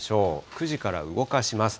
９時から動かします。